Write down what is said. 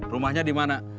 rumahnya di mana